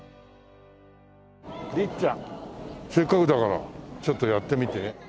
りっちゃんせっかくだからちょっとやってみて。